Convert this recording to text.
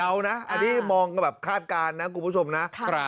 อันนี้มองแบบคาดการณ์นะกลุ่มผู้ชมนะ